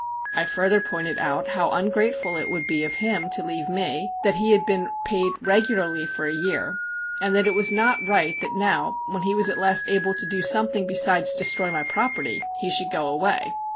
I further pointed out how ungrateful it would be of him to leave me; that he had been paid regularly for a year, and that it was not right that now, when he was at last able to do something besides destroy my property, he should go away.